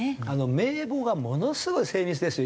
名簿がものすごい精密ですよ